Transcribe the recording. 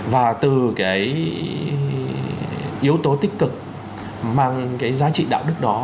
và từ cái yếu tố tích cực mang cái giá trị đạo đức đó